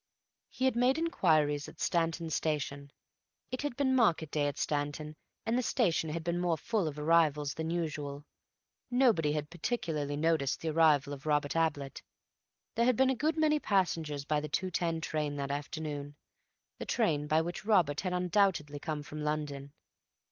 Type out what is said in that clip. He had made inquiries at Stanton station. It had been market day at Stanton and the station had been more full of arrivals than usual. Nobody had particularly noticed the arrival of Robert Ablett; there had been a good many passengers by the 2.10 train that afternoon, the train by which Robert had undoubtedly come from London.